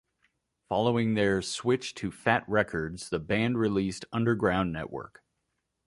Following their switch to Fat Wreck Chords, the band released "Underground Network".